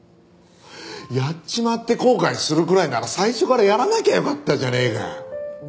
やっちまって後悔するくらいなら最初からやらなきゃよかったじゃねえかよ。